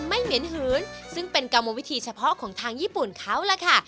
เหม็นหืนซึ่งเป็นกรรมวิธีเฉพาะของทางญี่ปุ่นเขาล่ะค่ะ